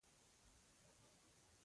علم هغه شتمني ده، چې هېڅکله نه ختمېږي.